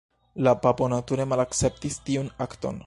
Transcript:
La papo nature malakceptis tiun akton.